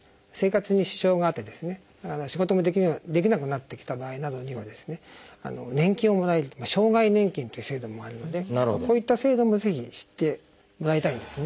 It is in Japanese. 仕事もできなくなってきた場合などには年金をもらえる障害年金っていう制度もあるのでこういった制度もぜひ知ってもらいたいんですね。